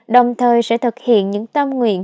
đồng thời sẽ thực hiện những tâm nguyện